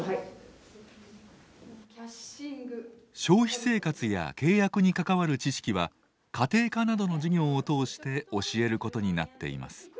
消費生活や契約に関わる知識は家庭科などの授業を通して教えることになっています。